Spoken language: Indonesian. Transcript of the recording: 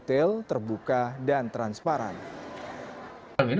detail terbuka dan transparan